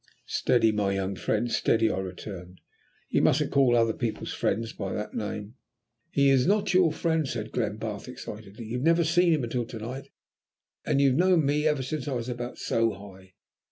"Steady, my young friend, steady," I returned. "You mustn't call other people's friends by that name." "He is not your friend," said Glenbarth excitedly. "You've never seen him until to night, and you've known me ever since I was about so high."